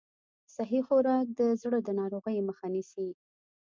صحي خوراک د زړه د ناروغیو مخه نیسي.